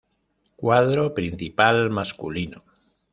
Cuadro principal masculino